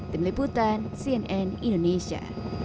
tim liputan cnn indonesia